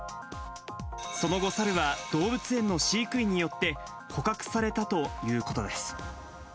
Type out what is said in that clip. その後、サルは動物園の飼育員によって捕獲されたということです。